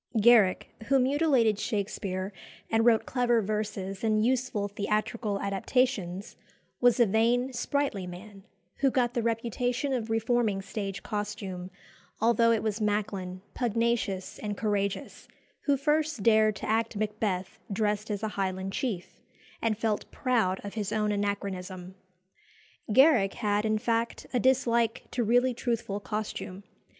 Garrick, who mutilated Shakespere and wrote clever verses and useful theatrical adaptations, was a vain, sprightly man, who got the reputation of reforming stage costume, although it was Macklin, pugnacious and courageous, who first dared to act Macbeth dressed as a Highland chief, and felt proud of his own anachronism. Garrick had, in fact, a dislike to really truthful costume.